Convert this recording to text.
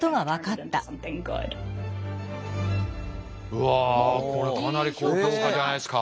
うわこれかなり高評価じゃないですか。